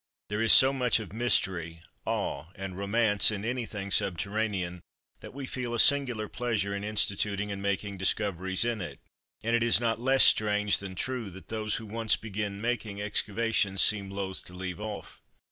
There is so much of mystery, awe, and romance in anything subterranean, that we feel a singular pleasure in instituting and making discoveries in it, and it is not less strange than true that those who once begin making excavations seem loth to leave off.